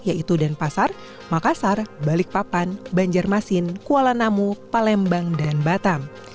yaitu denpasar makassar balikpapan banjarmasin kuala namu palembang dan batam